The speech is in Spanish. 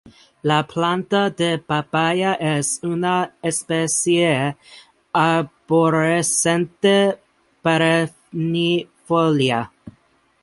La planta de papaya es una especie arborescente perennifolia.